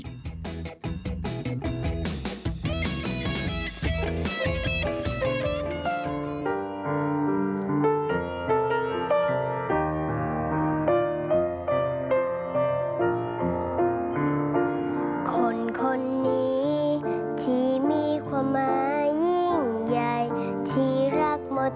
สนับสนุนโดยโฟมล้างมือคิเระอิคิเระอิ